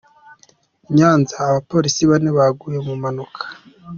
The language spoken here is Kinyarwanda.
Nyanza Abapolisi bane baguye mu mpanuka